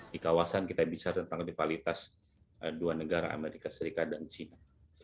di kawasan kita bicara tentang rivalitas dua negara amerika serikat dan china